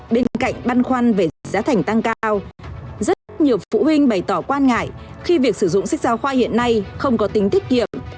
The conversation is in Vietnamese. bên cạnh băn khoăn về dịch giá thành tăng cao rất nhiều phụ huynh bày tỏ quan ngại khi việc sử dụng sách giáo khoa hiện nay không có tính tiết kiệm